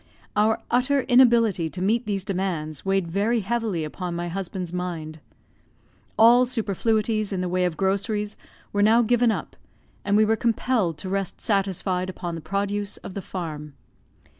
Our utter inability to meet these demands weighed very heavily upon my husband's mind. All superfluities in the way of groceries were now given up, and we were compelled to rest satisfied upon the produce of the farm.